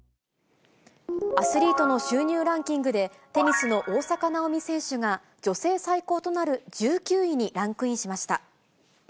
アスリートの収入ランキングで、テニスの大坂なおみ選手が、女性最高となる１９位にランクインしました。